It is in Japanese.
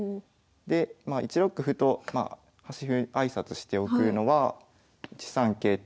でまあ１六歩と端歩挨拶しておくのは１三桂と。